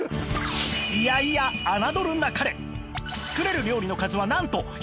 いやいやあなどるなかれ！